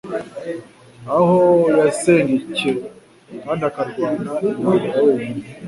aho yasengcye kandi akarwana intambara wenyine.